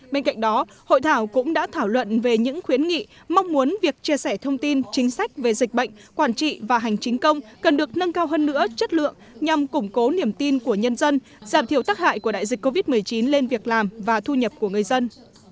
bên cạnh đó hội thảo cũng đã thảo luận về những khuyến nghị mong muốn việc chia sẻ thông tin chính sách về dịch bệnh quản trị và hành chính công cần được nâng cao hơn nữa chất lượng nhằm củng cố niềm tin của nhân dân giảm thiểu tắc hại của đại dịch covid một mươi chín lên việc làm và thu nhập của người dân